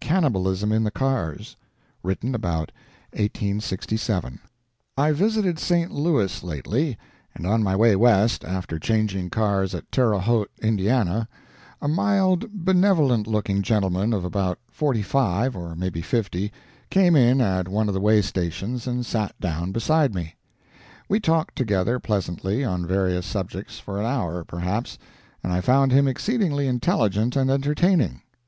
CANNIBALISM IN THE CARS [Written about 1867.] I visited St. Louis lately, and on my way West, after changing cars at Terre Haute, Indiana, a mild, benevolent looking gentleman of about forty five, or maybe fifty, came in at one of the way stations and sat down beside me. We talked together pleasantly on various subjects for an hour, perhaps, and I found him exceedingly intelligent and entertaining.